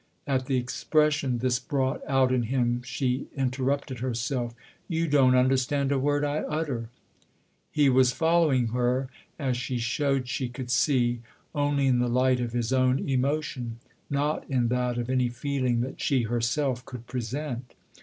At the expression this brought out in him she inter rupted herself. "You don't understand a word I utter 1 " He was following her as she showed she could see only in the light of his own emotion ; not in that of any feeling that she herself could present.